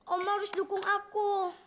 oma harus dukung aku